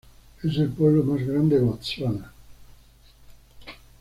Es el pueblo más grande de Botsuana.